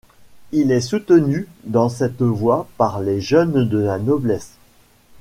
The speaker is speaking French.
Il est soutenu dans cette voie par les jeunes de la noblesse.